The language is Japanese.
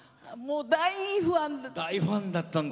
大ファンだったんです。